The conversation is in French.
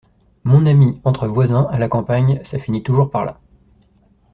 Mon ami, entre voisins, à la campagne, ça finit toujours par là.